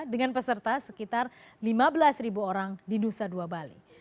dengan peserta sekitar lima belas orang di nusa dua bali